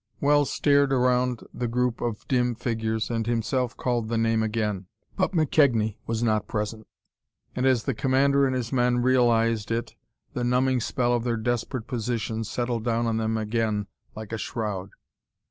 Wells stared around the group of dim figures and himself called the name again. But McKegnie was not present. And as the commander and his men realized it the numbing spell of their desperate position settled down on them again like a shroud.